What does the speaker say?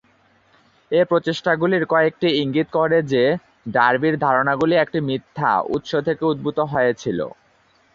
এই প্রচেষ্টাগুলির কয়েকটি ইঙ্গিত করে যে ডারবির ধারণাগুলি একটি "মিথ্যা" উৎস থেকে উদ্ভূত হয়েছিল।